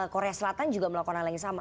korea selatan juga melakukan hal yang sama